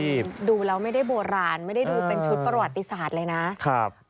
ใครจริงดูแล้วไม่ได้โบราณไม่ได้ดูเป็นชุดประหวัติศาสตร์เลยนะ